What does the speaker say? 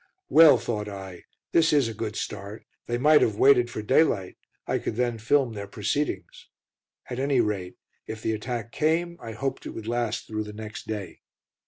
"Well," thought I, "this is a good start; they might have waited for daylight, I could then film their proceedings." At any rate, if the attack came, I hoped it would last through the next day.